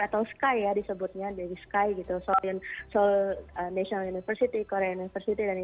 atau sky ya disebutnya dari sky gitu soal national university korea university dan yang